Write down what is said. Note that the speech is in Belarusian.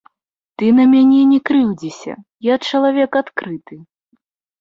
Ты на мяне не крыўдзіся, я чалавек адкрыты.